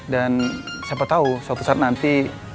dan siapa tahu suatu saat nanti